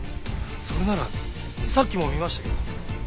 それならさっきも見ましたけど。